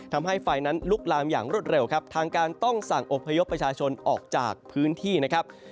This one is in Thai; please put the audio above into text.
ทำให้ไฟนั้นลุกลามอย่างรวดเร็วครับทางการต้องสั่งอบพยพประชาชนออกจากพื้นที่นะครับ